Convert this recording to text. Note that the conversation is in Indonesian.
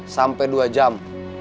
sampai dua jam